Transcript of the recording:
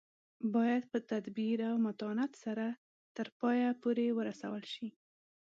باید په تدبیر او متانت سره تر پایه پورې ورسول شي.